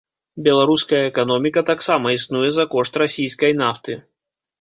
Беларуская эканоміка таксама існуе за кошт расійскай нафты.